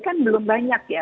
kan belum banyak ya